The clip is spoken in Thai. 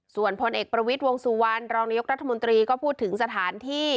ส่วนพลเอกประวิทย์วงสุวรรณรองนายกรัฐมนตรีก็พูดถึงสถานที่